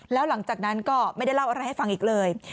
แล้วหลังจากนั้นก็ไม่ได้เล่าอะไรให้ฟังอีกเลย